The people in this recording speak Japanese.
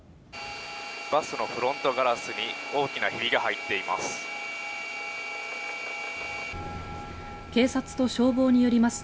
バスのフロントガラスに大きなひびが入っています。